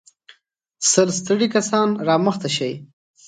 سل ستړي کسان را مخته شئ.